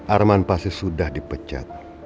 arman pasti sudah dipecat